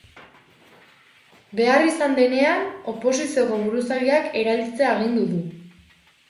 Behar izan denean, oposizioko buruzagiak erailtzea agindu du.